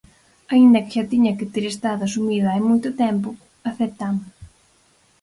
Aínda que xa tiña que ter estado asumido hai moito tempo, aceptámolo.